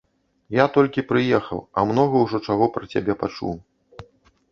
Я толькі прыехаў, а многа ўжо чаго пра цябе пачуў.